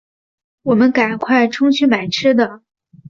我们赶快冲去买吃的